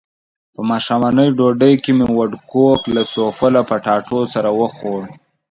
په ماښامنۍ ډوډۍ کې مو وډکوک له سوفله پټاټو سره وخوړل.